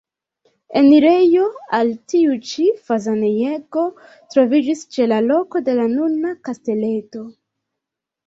Enirejo al tiu ĉi fazanejego troviĝis ĉe la loko de la nuna kasteleto.